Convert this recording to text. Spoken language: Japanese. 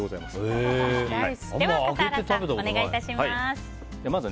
では笠原さんお願いいたします。